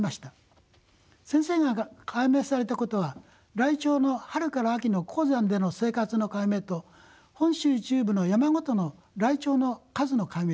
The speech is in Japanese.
先生が解明されたことはライチョウの春から秋の高山での生活の解明と本州中部の山ごとのライチョウの数の解明です。